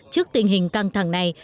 trước tình hình căng thẳng này